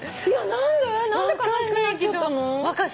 何で悲しくなっちゃったの？